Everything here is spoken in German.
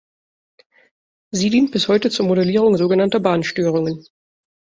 Sie dient bis heute zur Modellierung so genannter Bahnstörungen.